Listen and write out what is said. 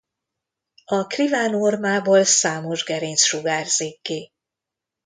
A Kriván ormából számos gerinc sugárzik ki.